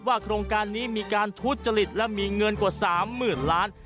โครงการนี้มีการทุจริตและมีเงินกว่า๓๐๐๐ล้าน